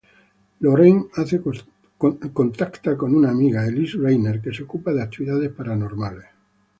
Lorraine hace contacto con una amiga, Elise Reiner, que se ocupa de actividades paranormales.